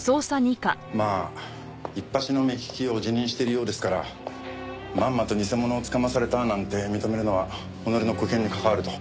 まあいっぱしの目利きを自認しているようですからまんまと偽物をつかまされたなんて認めるのは己の沽券に関わると。